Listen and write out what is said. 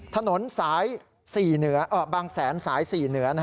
ถนนสาย๔เหนือบางแสนสาย๔เหนือ